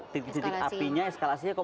titik titik apinya eskalasinya kok